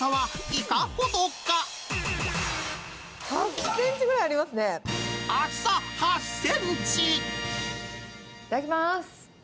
いただきます。